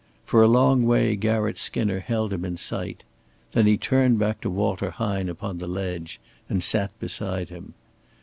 For a long way Garratt Skinner held him in sight. Then he turned back to Walter Hine upon the ledge, and sat beside him.